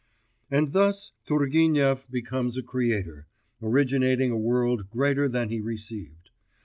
And thus Turgenev becomes a creator, originating a world greater than he received.